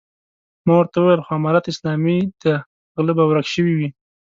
ما ورته وويل خو امارت اسلامي دی غله به ورک شوي وي.